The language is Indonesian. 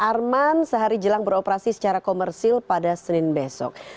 arman sehari jelang beroperasi secara komersil pada senin besok